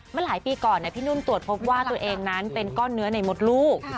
เมื่อหลายปีก่อนพี่นุ่นตรวจพบว่าตัวเองนั้นเป็นก้อนเนื้อในมดลูก